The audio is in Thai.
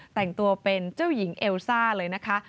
แต่งตัวเป็นเจ้าหญิงเอลซ่าเลยนะคะ